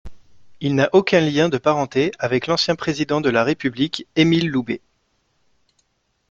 Il n'a aucun lien de parenté avec l'ancien président de la République Émile Loubet.